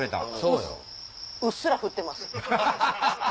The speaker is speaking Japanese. うっすら降ってます。